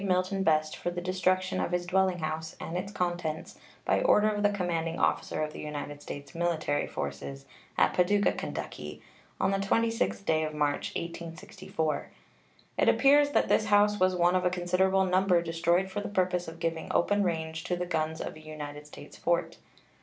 Milton Best for the destruction of his dwelling house and its contents by order of the commanding officer of the United States military forces at Paducah, Ky., on the 26th day of March, 1864. It appears that this house was one of a considerable number destroyed for the purpose of giving open range to the guns of a United States fort.